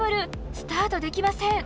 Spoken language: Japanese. スタートできません。